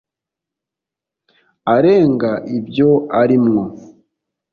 arenga ibyo ari mwo